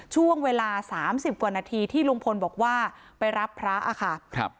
ช่วงเวลา๓๐กว่านาทีที่ลุงพลบอกว่าไปรับพระอะค่ะ